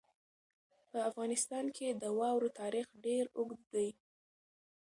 په افغانستان کې د واورو تاریخ ډېر اوږد دی.